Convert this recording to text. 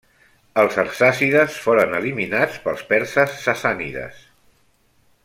Els arsàcides foren eliminats pels perses sassànides.